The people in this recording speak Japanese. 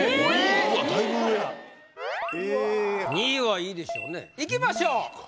２位はいいでしょうねっいきましょう。